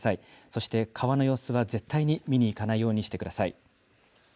そして川の様子は絶対に見に行かないようにしてください。